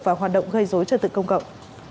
và hoạt động gây dối trật tự công cộng